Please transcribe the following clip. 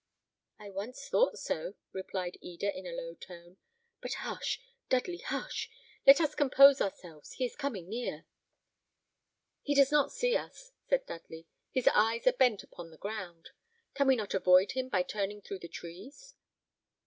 "I once thought so," replied Eda, in a low tone; "but hush! Dudley, hush! let us compose ourselves: he is coming near." "He does not see us," said Dudley; "his eyes are bent upon the ground. Can we not avoid him by turning through the trees?"